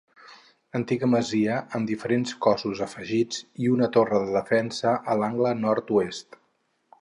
Antiga masia amb diversos cossos afegits i una torre de defensa a l'angle Nord-oest.